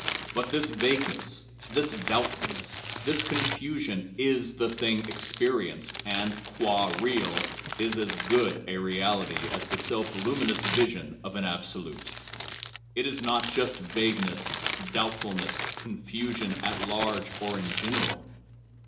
But this vagueness, this doubt fulness, this confusion is the thing experienced, and, qua real, is as 'good' a reality as the self luminous vision of an Absolute. It is not just vagueness, doubtfulness, confusion, at large or in general.